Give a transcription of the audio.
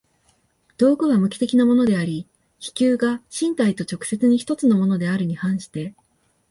道具は無機的なものであり、器宮が身体と直接に一つのものであるに反して